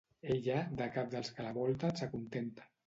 Ella, de cap dels que la volten s'acontenta.